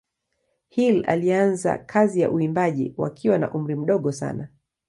Hill alianza kazi za uimbaji wakiwa na umri mdogo sana.